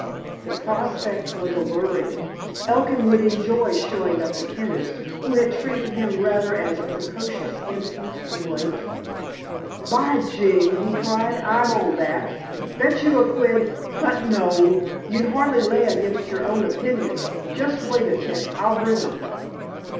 The prospect was alluring. Elkin would enjoy showing up the chemist, who had treated him rather as a precocious infant of late. "By jing!" he cried, "I'm on that. Bet you a quid—But, no. You'd hardly lay against your own opinion. Just wait a tick. I'll bring 'em."